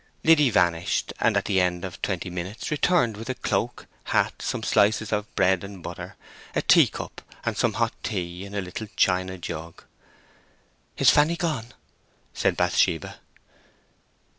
Liddy vanished, and at the end of twenty minutes returned with a cloak, hat, some slices of bread and butter, a tea cup, and some hot tea in a little china jug. "Is Fanny gone?" said Bathsheba.